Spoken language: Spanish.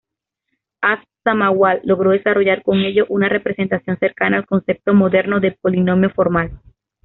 As-Samawal logró desarrollar con ello una representación cercana al concepto moderno de polinomio formal.